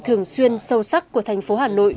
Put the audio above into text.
thường xuyên sâu sắc của thành phố hà nội